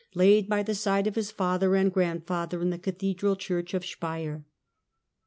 laid by the side of his father and grandfather in the cathedral church of Speier.